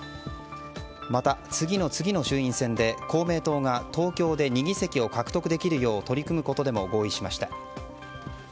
また、次の次の衆院選で公明党が東京で２議席を獲得できるよう取り組むことでも合意しました。